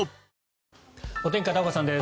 お天気、片岡さんです。